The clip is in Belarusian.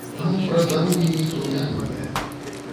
Ну, пра здароўе ніхто не думае.